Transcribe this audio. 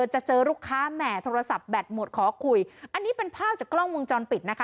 จะเจอลูกค้าแหม่โทรศัพท์แบตหมดขอคุยอันนี้เป็นภาพจากกล้องวงจรปิดนะคะ